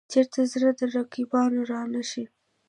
چېرته زړه د رقیبانو را نه شي.